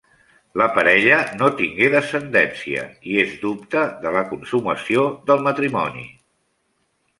La parella no tingué descendència i es dubte de la consumació del matrimoni.